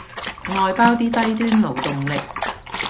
外包啲低端勞動力